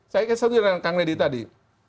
saya kira satu dengan kang deddy tadi